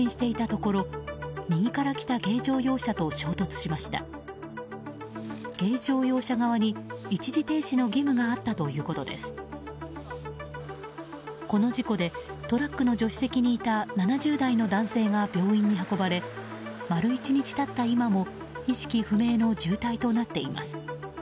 この事故で、トラックの助手席にいた７０代の男性が病院に運ばれ、丸１日経った今も意識不明の重体となっています。